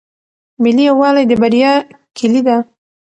ملي یووالی د بریا کیلي ده.